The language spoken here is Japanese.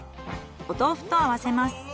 お豆腐と合わせます。